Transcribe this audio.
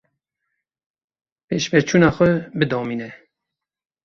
Pêşveçûna xwe bidomîne.